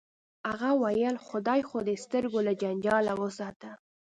هغه ویل خدای خو دې د سترګو له جنجاله وساته